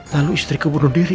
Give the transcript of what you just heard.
lalu istriku bunuh diri